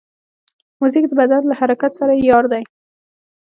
موزیک د بدن له حرکت سره یار دی.